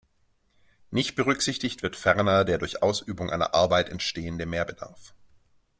Nicht berücksichtigt wird ferner der durch Ausübung einer Arbeit entstehende Mehrbedarf.